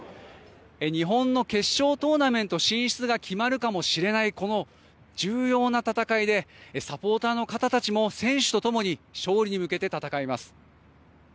日本の決勝トーナメント進出が決まるかもしれないこの重要な戦いでサポーターの方たちも選手とともに勝利に向けて戦います。